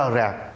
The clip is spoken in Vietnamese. nó rờ rào